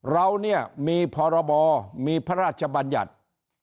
เราเนี่ยมีพรบมีพระราชบัญญัติ